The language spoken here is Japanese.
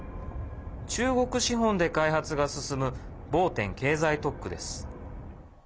中国資本で開発が進むボーテン経済特区です。